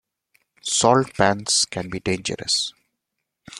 Salt pans can be dangerous.